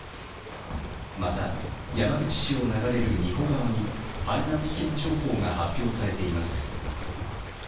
また、山口市を流れる仁保川に氾濫危険情報が発表されています。